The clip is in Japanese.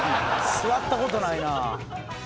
座った事ないな。